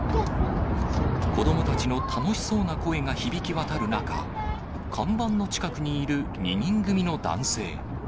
子どもたちの楽しそうな声が響き渡る中、看板の近くにいる２人組の男性。